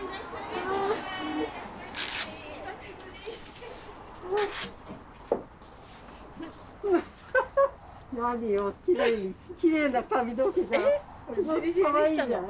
すごくかわいいじゃん。